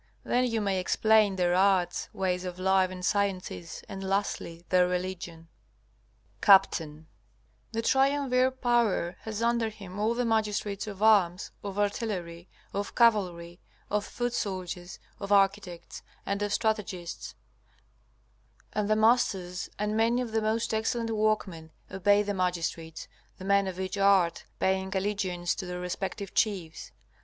Then you may explain their arts, ways of life and sciences, and lastly their religion. Capt. The triumvir, Power, has under him all the magistrates of arms, of artillery, of cavalry, of foot soldiers, of architects, and of strategists; and the masters and many of the most excellent workmen obey the magistrates, the men of each art paying allegiance to their respective chiefs.